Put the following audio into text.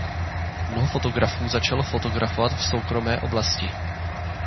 Mnoho fotografů začalo fotografovat v soukromé oblasti.